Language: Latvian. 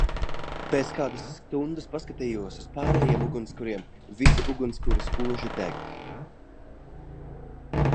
Pēc kādas stundas paskatījos uz pārējiem ugunskuriem, visi ugunskuri spoži dega.